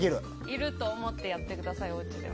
いると思ってやってくださいね。